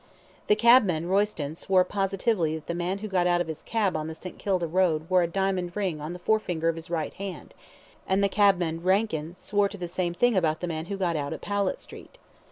The cabman, Royston, swore positively that the man who got out of his cab on the St. Kilda Road wore a diamond ring on the forefinger of his right hand, and the cabman, Rankin, swore to the same thing about the man who got out at Powlett Street.